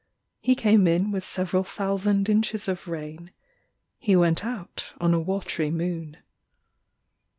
He came in with several thousand inches of rain; He went out on a watery moon.